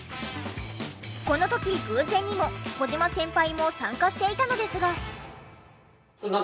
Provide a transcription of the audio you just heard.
この時偶然にも小島先輩も参加していたのですが。